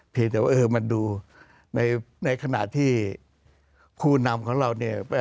เพียงแต่ว่าเออมันดูในในขณะที่ครูนำของเราเนี่ย